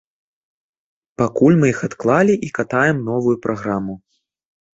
Пакуль мы іх адклалі і катаем новую праграму.